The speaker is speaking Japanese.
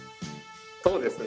そうですね。